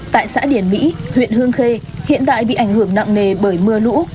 tại xã điển mỹ huyện hương khê hiện tại bị ảnh hưởng nặng nề bởi mưa lũ